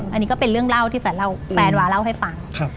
อันนี้ก็เป็นเรื่องเล่าที่แฟนเล่าแฟนวาเล่าให้ฟัง